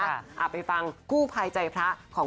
เอาไปฟังกู้ภัยใจพระของ